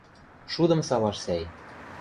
– Шудым салаш сӓй...